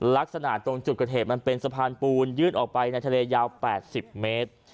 ลักษณะตรงจุดเกิดเหตุมันเป็นสะพานปูนยื่นออกไปในทะเลยาว๘๐เมตร